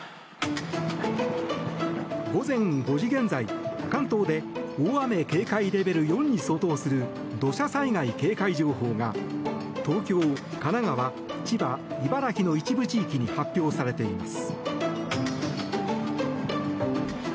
午前５時現在、関東で大雨警戒レベル４に相当する土砂災害警戒情報が東京、神奈川、千葉茨城の一部地域に発表されています。